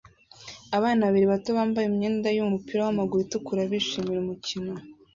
Abana babiri bato bambaye imyenda yumupira wamaguru itukura bishimira umukino